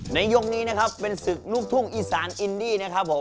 ในยกนี้เป็นสึกลูกทู่งอีสานอินดี